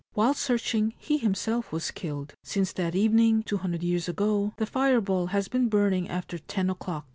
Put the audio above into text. While searching he himself was killed. Since that evening, 200 years ago, the fireball has been burning after ten o'clock.